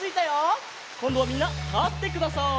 こんどはみんなたってください。